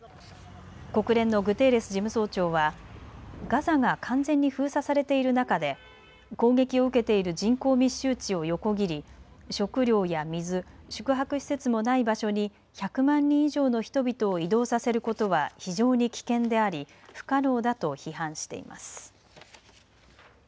国連のグテーレス事務総長はガザが完全に封鎖されている中で攻撃を受けている人口密集地を横切り食料や水、宿泊施設もない場所に１００万人以上の人々を移動させることは非常に危険であり不可能だと批判しています。